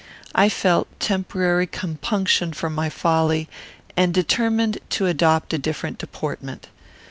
I felt temporary compunction for my folly, and determined to adopt a different deportment.